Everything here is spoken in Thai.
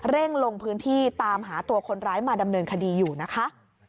ลงพื้นที่ตามหาตัวคนร้ายมาดำเนินคดีอยู่นะคะ